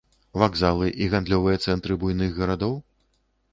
Вакзалы і гандлёвыя цэнтры буйных гарадоў?